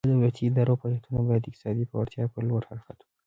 د دولتي ادارو فعالیتونه باید د اقتصادي پیاوړتیا په لور حرکت وکړي.